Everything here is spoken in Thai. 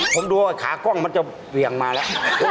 ผมดูว่าขากล้องมันจะเหวี่ยงมาแล้ว